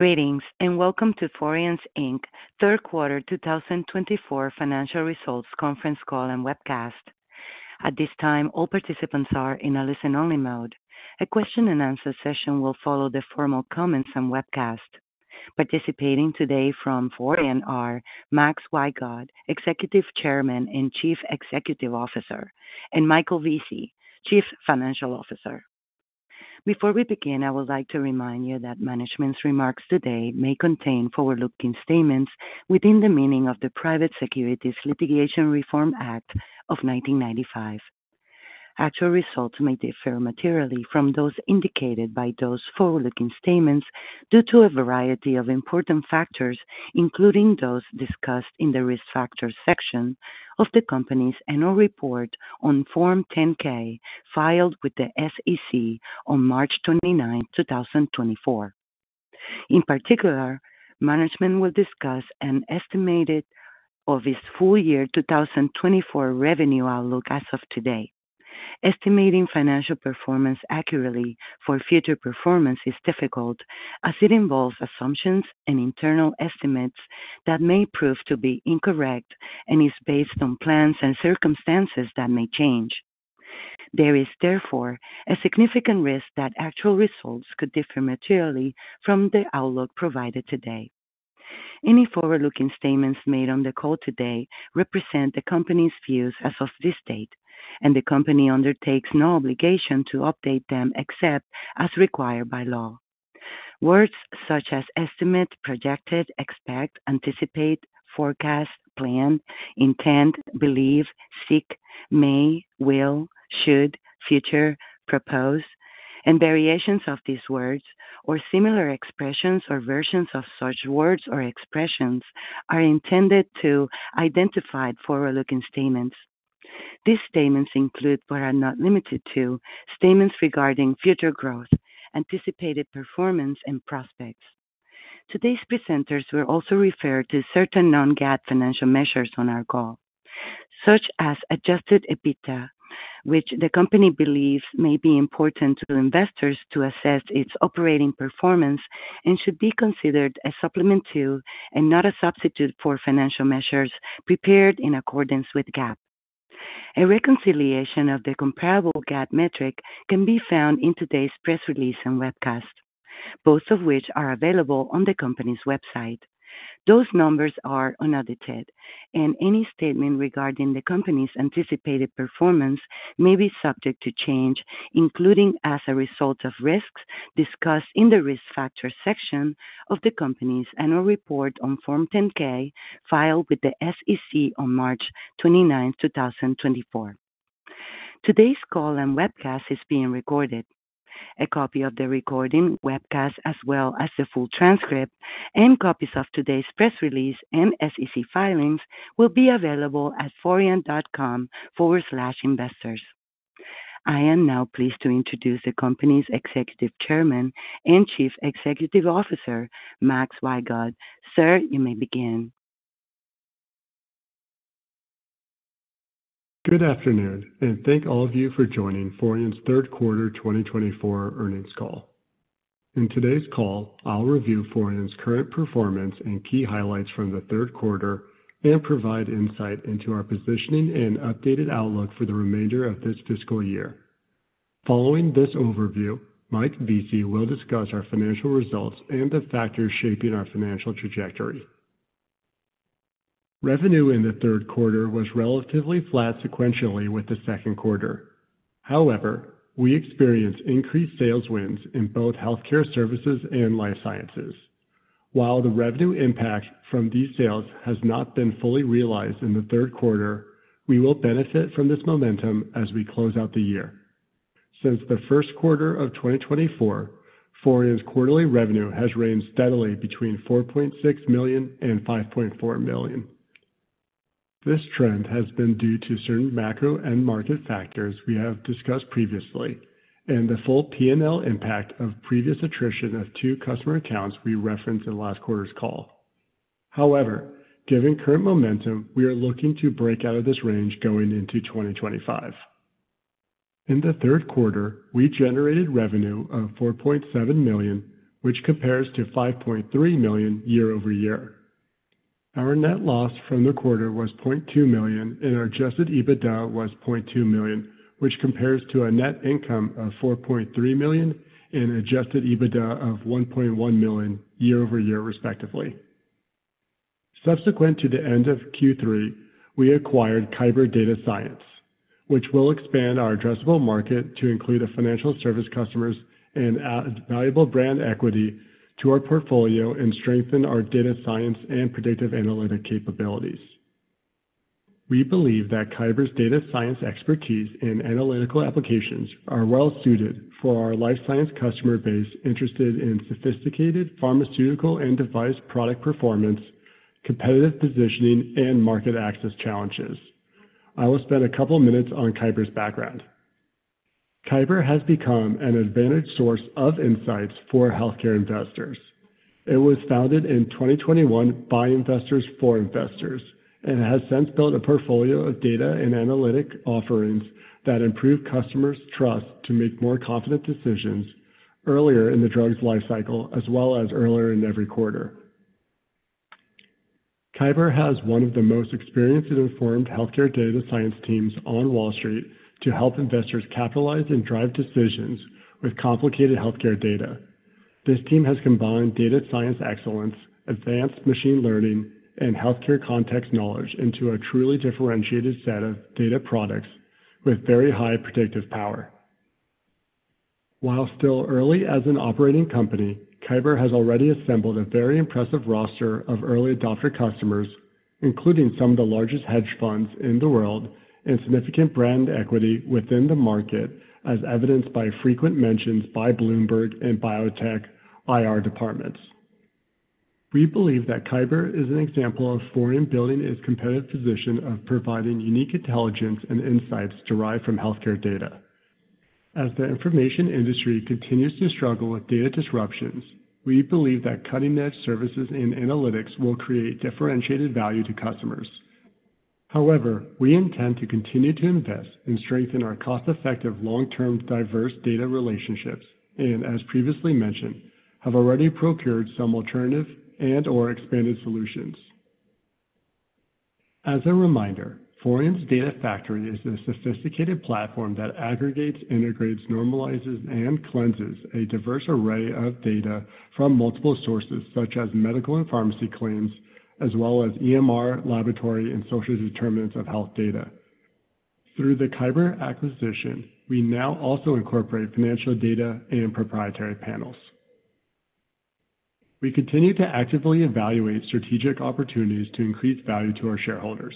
Greetings and welcome to Forian Inc's third quarter 2024 financial results conference call and webcast. At this time, all participants are in a listen-only mode. A question-and-answer session will follow the formal comments and webcast. Participating today from Forian are Max Wygod, Executive Chairman and Chief Executive Officer, and Michael Vesey, Chief Financial Officer. Before we begin, I would like to remind you that management's remarks today may contain forward-looking statements within the meaning of the Private Securities Litigation Reform Act of 1995. Actual results may differ materially from those indicated by those forward-looking statements due to a variety of important factors, including those discussed in the risk factors section of the company's annual report on Form 10-K filed with the SEC on March 29, 2024. In particular, management will discuss an estimated full-year 2024 revenue outlook as of today. Estimating financial performance accurately for future performance is difficult as it involves assumptions and internal estimates that may prove to be incorrect and is based on plans and circumstances that may change. There is, therefore, a significant risk that actual results could differ materially from the outlook provided today. Any forward-looking statements made on the call today represent the company's views as of this date, and the company undertakes no obligation to update them except as required by law. Words such as estimate, projected, expect, anticipate, forecast, plan, intend, believe, seek, may, will, should, future, propose, and variations of these words, or similar expressions or versions of such words or expressions, are intended to identify forward-looking statements. These statements include, but are not limited to, statements regarding future growth, anticipated performance, and prospects. Today's presenters will also refer to certain non-GAAP financial measures on our call, such as adjusted EBITDA, which the company believes may be important to investors to assess its operating performance and should be considered a supplement to and not a substitute for financial measures prepared in accordance with GAAP. A reconciliation of the comparable GAAP metric can be found in today's press release and webcast, both of which are available on the company's website. Those numbers are unedited, and any statement regarding the company's anticipated performance may be subject to change, including as a result of risks discussed in the risk factors section of the company's annual report on Form 10-K filed with the SEC on March 29, 2024. Today's call and webcast is being recorded. A copy of the recording, webcast, as well as the full transcript and copies of today's press release and SEC filings will be available at forian.com/investors. I am now pleased to introduce the company's Executive Chairman and Chief Executive Officer, Max Wygod. Sir, you may begin. Good afternoon, and thank all of you for joining Forian's third quarter 2024 earnings call. In today's call, I'll review Forian's current performance and key highlights from the third quarter and provide insight into our positioning and updated outlook for the remainder of this fiscal year. Following this overview, Mike Vesey will discuss our financial results and the factors shaping our financial trajectory. Revenue in the third quarter was relatively flat sequentially with the second quarter. However, we experienced increased sales wins in both healthcare services and life sciences. While the revenue impact from these sales has not been fully realized in the third quarter, we will benefit from this momentum as we close out the year. Since the first quarter of 2024, Forian's quarterly revenue has ranged steadily between $4.6 million and $5.4 million. This trend has been due to certain macro and market factors we have discussed previously and the full P&L impact of previous attrition of two customer accounts we referenced in last quarter's call. However, given current momentum, we are looking to break out of this range going into 2025. In the third quarter, we generated revenue of $4.7 million, which compares to $5.3 million year-over-year. Our net loss from the quarter was $0.2 million, and our adjusted EBITDA was $0.2 million, which compares to a net income of $4.3 million and adjusted EBITDA of $1.1 million year-over-year, respectively. Subsequent to the end of Q3, we acquired Kyber Data Science, which will expand our addressable market to include financial service customers and valuable brand equity to our portfolio and strengthen our data science and predictive analytic capabilities. We believe that Kyber's data science expertise and analytical applications are well-suited for our life science customer base interested in sophisticated pharmaceutical and device product performance, competitive positioning, and market access challenges. I will spend a couple of minutes on Kyber's background. Kyber has become an advantageous source of insights for healthcare investors. It was founded in 2021 by investors for investors and has since built a portfolio of data and analytic offerings that improve customers' trust to make more confident decisions earlier in the drug's life cycle, as well as earlier in every quarter. Kyber has one of the most experienced and informed healthcare data science teams on Wall Street to help investors capitalize and drive decisions with complicated healthcare data. This team has combined data science excellence, advanced machine learning, and healthcare context knowledge into a truly differentiated set of data products with very high predictive power. While still early as an operating company, Kyber has already assembled a very impressive roster of early adopter customers, including some of the largest hedge funds in the world and significant brand equity within the market, as evidenced by frequent mentions by Bloomberg and biotech IR departments. We believe that Kyber is an example of Forian building its competitive position of providing unique intelligence and insights derived from healthcare data. As the information industry continues to struggle with data disruptions, we believe that cutting-edge services and analytics will create differentiated value to customers. However, we intend to continue to invest and strengthen our cost-effective, long-term, diverse data relationships and, as previously mentioned, have already procured some alternative and/or expanded solutions. As a reminder, Forian's Data Factory is a sophisticated platform that aggregates, integrates, normalizes, and cleanses a diverse array of data from multiple sources, such as medical and pharmacy claims, as well as EMR, laboratory, and social determinants of health data. Through the Kyber acquisition, we now also incorporate financial data and proprietary panels. We continue to actively evaluate strategic opportunities to increase value to our shareholders.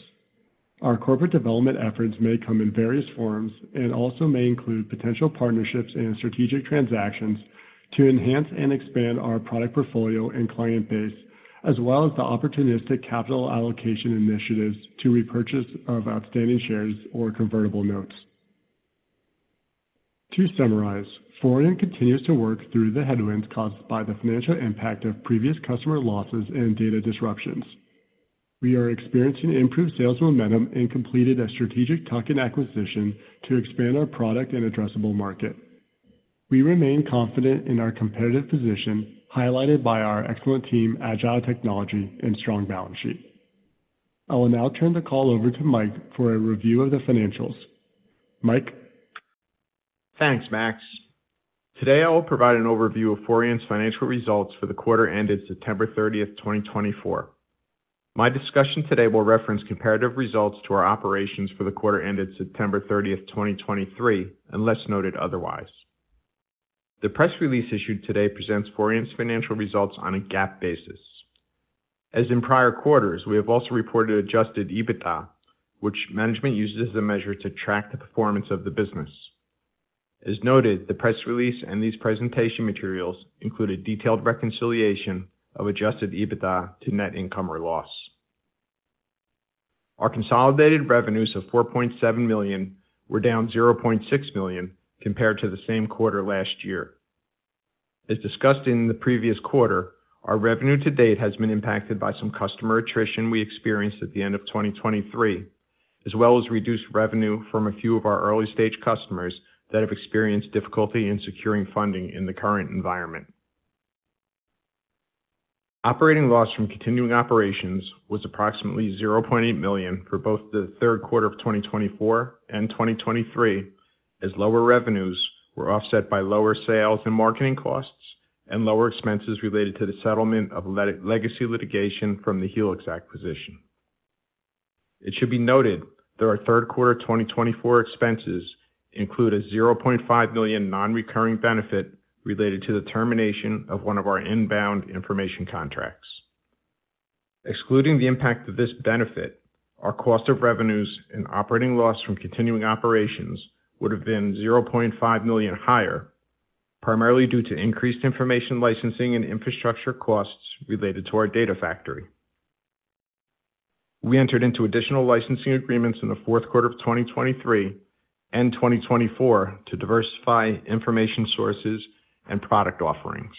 Our corporate development efforts may come in various forms and also may include potential partnerships and strategic transactions to enhance and expand our product portfolio and client base, as well as the opportunistic capital allocation initiatives to repurchase of outstanding shares or convertible notes. To summarize, Forian continues to work through the headwinds caused by the financial impact of previous customer losses and data disruptions. We are experiencing improved sales momentum and completed a strategic tuck-in acquisition to expand our product and addressable market. We remain confident in our competitive position, highlighted by our excellent team, agile technology, and strong balance sheet. I will now turn the call over to Mike for a review of the financials. Mike. Thanks, Max. Today, I will provide an overview of Forian's financial results for the quarter ended September 30th, 2024. My discussion today will reference comparative results to our operations for the quarter ended September 30th, 2023, unless noted otherwise. The press release issued today presents Forian's financial results on a GAAP basis. As in prior quarters, we have also reported adjusted EBITDA, which management uses as a measure to track the performance of the business. As noted, the press release and these presentation materials include a detailed reconciliation of adjusted EBITDA to net income or loss. Our consolidated revenues of $4.7 million were down $0.6 million compared to the same quarter last year. As discussed in the previous quarter, our revenue to date has been impacted by some customer attrition we experienced at the end of 2023, as well as reduced revenue from a few of our early-stage customers that have experienced difficulty in securing funding in the current environment. Operating loss from continuing operations was approximately $0.8 million for both the third quarter of 2024 and 2023, as lower revenues were offset by lower sales and marketing costs and lower expenses related to the settlement of legacy litigation from the Helix acquisition. It should be noted that our third quarter 2024 expenses include a $0.5 million non-recurring benefit related to the termination of one of our inbound information contracts. Excluding the impact of this benefit, our cost of revenues and operating loss from continuing operations would have been $0.5 million higher, primarily due to increased information licensing and infrastructure costs related to our Data Factory. We entered into additional licensing agreements in the fourth quarter of 2023 and 2024 to diversify information sources and product offerings.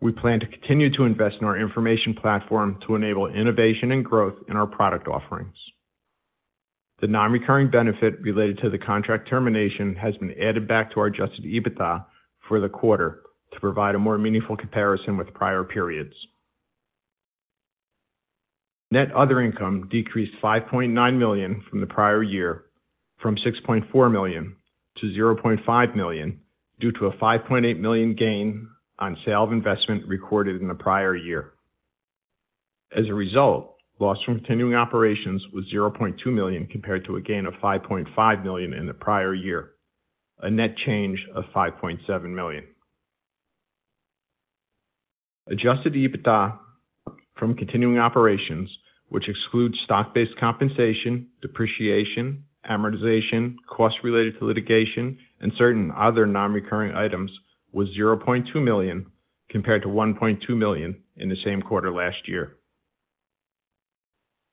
We plan to continue to invest in our information platform to enable innovation and growth in our product offerings. The non-recurring benefit related to the contract termination has been added back to our adjusted EBITDA for the quarter to provide a more meaningful comparison with prior periods. Net other income decreased $5.9 million from the prior year from $6.4 million to $0.5 million due to a $5.8 million gain on sale of investment recorded in the prior year. As a result, loss from continuing operations was $0.2 million compared to a gain of $5.5 million in the prior year, a net change of $5.7 million. Adjusted EBITDA from continuing operations, which excludes stock-based compensation, depreciation, amortization, costs related to litigation, and certain other non-recurring items, was $0.2 million compared to $1.2 million in the same quarter last year.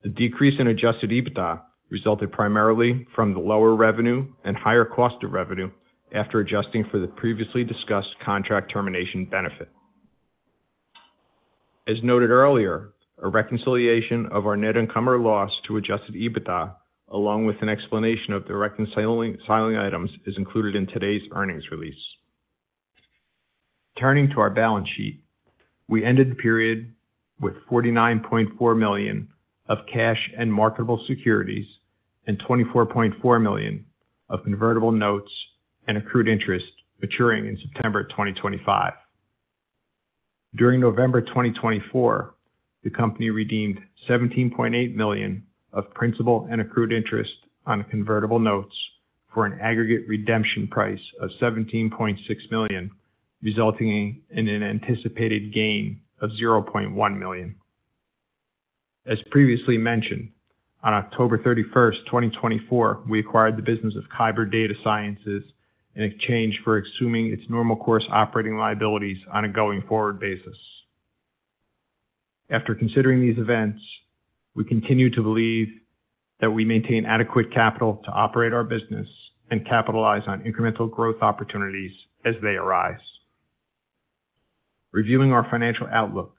The decrease in adjusted EBITDA resulted primarily from the lower revenue and higher cost of revenue after adjusting for the previously discussed contract termination benefit. As noted earlier, a reconciliation of our net income or loss to adjusted EBITDA, along with an explanation of the reconciling items, is included in today's earnings release. Turning to our balance sheet, we ended the period with $49.4 million of cash and marketable securities and $24.4 million of convertible notes and accrued interest maturing in September 2025. During November 2024, the company redeemed $17.8 million of principal and accrued interest on convertible notes for an aggregate redemption price of $17.6 million, resulting in an anticipated gain of $0.1 million. As previously mentioned, on October 31st, 2024, we acquired the business of Kyber Data Science in exchange for assuming its normal course operating liabilities on a going-forward basis. After considering these events, we continue to believe that we maintain adequate capital to operate our business and capitalize on incremental growth opportunities as they arise. Reviewing our financial outlook,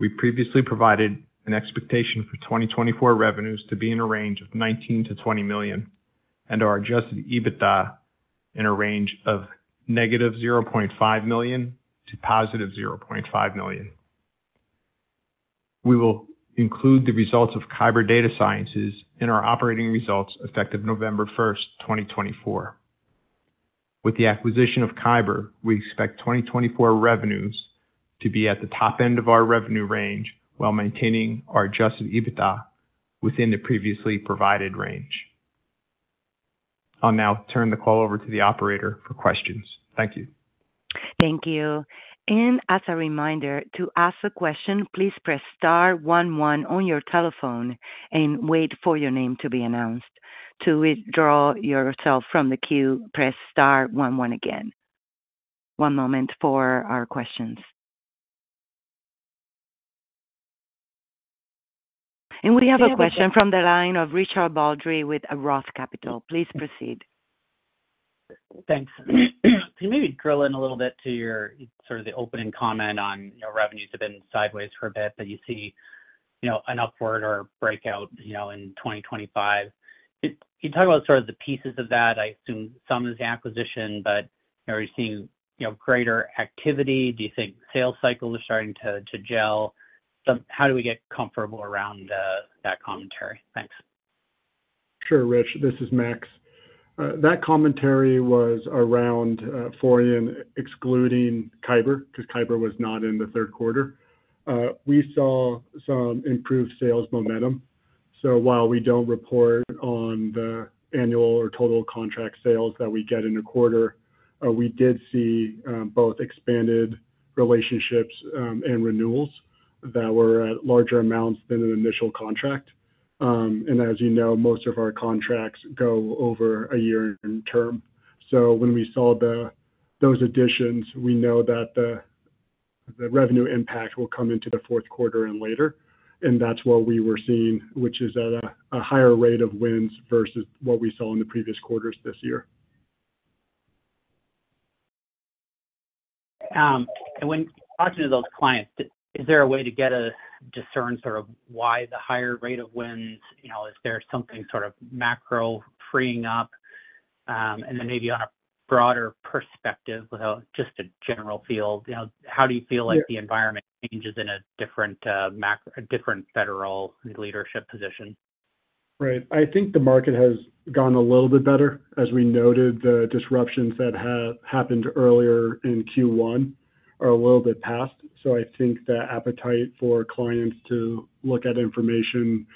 we previously provided an expectation for 2024 revenues to be in a range of $19 million-$20 million and our adjusted EBITDA in a range of -$0.5 million to +$0.5 million. We will include the results of Kyber Data Science in our operating results effective November 1st, 2024. With the acquisition of Kyber, we expect 2024 revenues to be at the top end of our revenue range while maintaining our adjusted EBITDA within the previously provided range. I'll now turn the call over to the operator for questions. Thank you. Thank you. And as a reminder, to ask a question, please press star one one on your telephone and wait for your name to be announced. To withdraw yourself from the queue, press star one one again. One moment for our questions. And we have a question from the line of Richard Baldry with Roth Capital. Please proceed. Thanks. Can you maybe drill in a little bit to your sort of the opening comment on revenues have been sideways for a bit, but you see an upward or breakout in 2025? You talk about sort of the pieces of that. I assume some of the acquisition, but are you seeing greater activity? Do you think sales cycles are starting to gel? How do we get comfortable around that commentary? Thanks. Sure, Rich. This is Max. That commentary was around Forian excluding Kyber because Kyber was not in the third quarter. We saw some improved sales momentum. So while we don't report on the annual or total contract sales that we get in a quarter, we did see both expanded relationships and renewals that were at larger amounts than an initial contract. And as you know, most of our contracts go over a year in term. So when we saw those additions, we know that the revenue impact will come into the fourth quarter and later. And that's what we were seeing, which is at a higher rate of wins versus what we saw in the previous quarters this year. And when talking to those clients, is there a way to get a sense of why the higher rate of wins? Is there something sort of macro freeing up? And then maybe on a broader perspective without just a general feel, how do you feel like the environment changes in a different federal leadership position? Right. I think the market has gone a little bit better. As we noted, the disruptions that happened earlier in Q1 are a little bit past. So I think that appetite for clients to look at information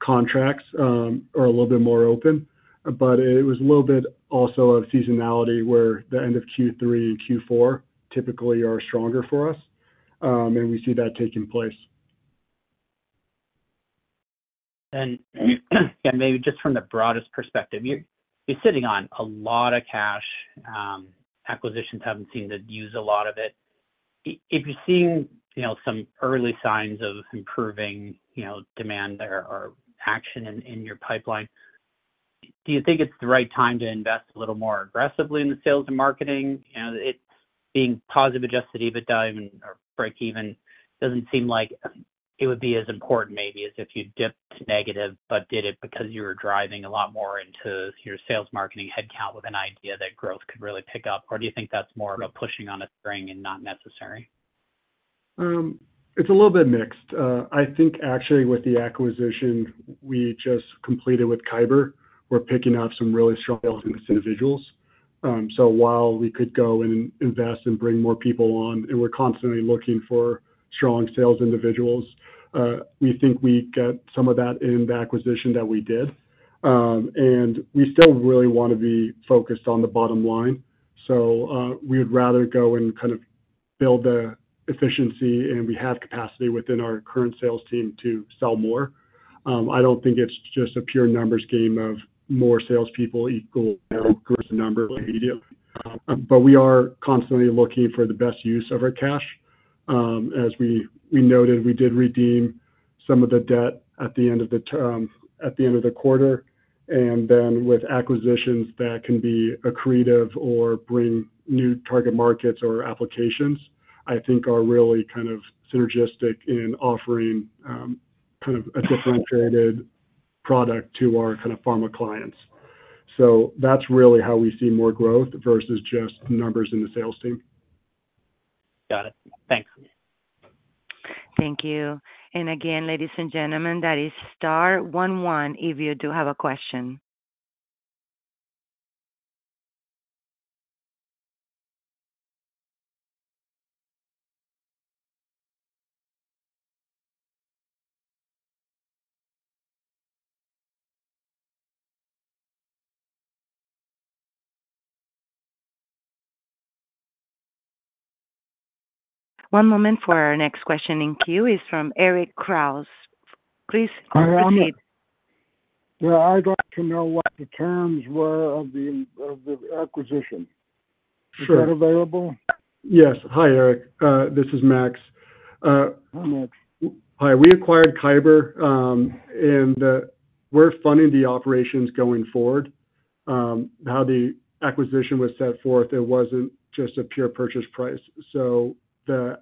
contracts are a little bit more open. But it was a little bit also of seasonality where the end of Q3 and Q4 typically are stronger for us, and we see that taking place. Maybe just from the broadest perspective, you're sitting on a lot of cash. Acquisitions haven't seemed to use a lot of it. If you're seeing some early signs of improving demand or action in your pipeline, do you think it's the right time to invest a little more aggressively in the sales and marketing? Being positive adjusted EBITDA and break even doesn't seem like it would be as important maybe as if you dipped negative but did it because you were driving a lot more into your sales marketing headcount with an idea that growth could really pick up, or do you think that's more of a pushing on a string and not necessary? It's a little bit mixed. I think actually with the acquisition we just completed with Kyber, we're picking up some really strong sales individuals. So while we could go and invest and bring more people on, and we're constantly looking for strong sales individuals, we think we got some of that in the acquisition that we did. And we still really want to be focused on the bottom line. So we would rather go and kind of build the efficiency and we have capacity within our current sales team to sell more. I don't think it's just a pure numbers game of more salespeople equal gross number immediately. But we are constantly looking for the best use of our cash. As we noted, we did redeem some of the debt at the end of the quarter. And then with acquisitions that can be accretive or bring new target markets or applications, I think are really kind of synergistic in offering kind of a differentiated product to our kind of pharma clients. So that's really how we see more growth versus just numbers in the sales team. Got it. Thanks. Thank you. And again, ladies and gentlemen, that is star one one if you do have a question. One moment for our next question in queue is from Eric Kraus. Please unmute. Yeah. I'd like to know what the terms were of the acquisition. Is that available? Yes. Hi, Eric. This is Max. Hi, Max. Hi. We acquired Kyber, and we're funding the operations going forward. How the acquisition was set forth, it wasn't just a pure purchase price. So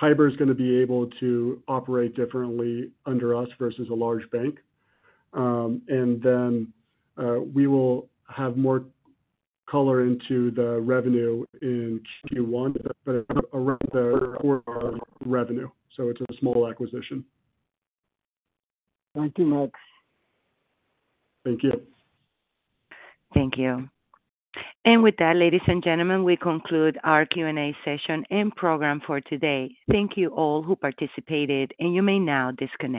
Kyber is going to be able to operate differently under us versus a large bank. And then we will have more color into the revenue in Q1, but around the revenue. So it's a small acquisition. Thank you, Max. Thank you. Thank you. And with that, ladies and gentlemen, we conclude our Q&A session and program for today. Thank you all who participated, and you may now disconnect.